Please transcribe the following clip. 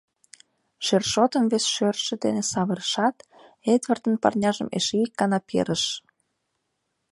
— шершотым вес шӧржӧ дене савырышат, Эдвардын парняжым эше ик гана перыш.